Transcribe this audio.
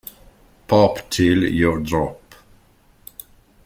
Pop 'til You Drop!